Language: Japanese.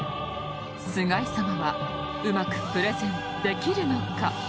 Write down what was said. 菅井様はうまくプレゼンできるのか？